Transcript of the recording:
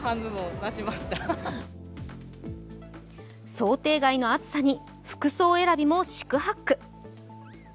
想定外の暑さに服装選びも四苦八苦。